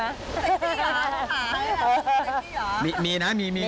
ยังมีความเป็นบุกขาเหมือนเดิม